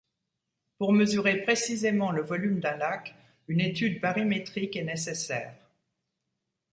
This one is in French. Pour mesurer précisément le volume d'un lac, une étude bathymétrique est nécessaire.